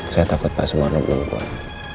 saya takut pak sumarno belum keluar